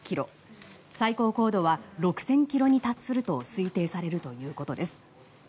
最高高度は６０００ｋｍに達すると推定されるということです。